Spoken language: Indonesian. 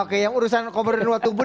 oke yang urusan komunikasi renewal tubuh